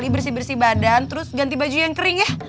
bersih bersih badan terus ganti baju yang kering ya